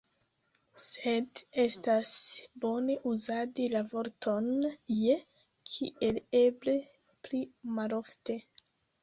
Sed estas bone uzadi la vorton « je » kiel eble pli malofte.